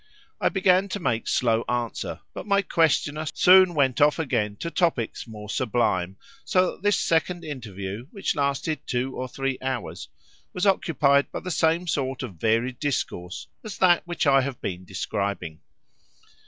I began to make slow answer, but my questioner soon went off again to topics more sublime, so that this second interview, which lasted two or three hours, was occupied by the same sort of varied discourse as that which I have been describing.